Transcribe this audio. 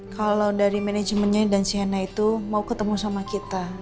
kalau dari manajemennya dan cnn itu mau ketemu sama kita